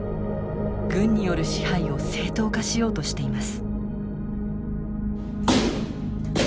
軍による支配を正当化しようとしています。